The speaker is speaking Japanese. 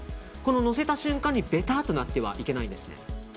のせた瞬間に、べたーっとなってはいけないんです。